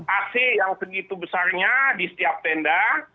ac yang segitu besarnya di setiap tenda